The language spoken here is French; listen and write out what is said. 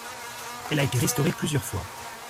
Elle a été restaurée plusieurs fois.